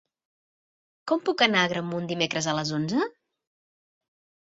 Com puc anar a Agramunt dimecres a les onze?